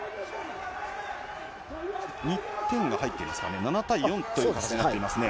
１点が入ってますかね、７対４という形になっていますね。